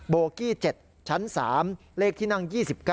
โบกี้๗ชั้น๓เลขที่นั่ง๒๙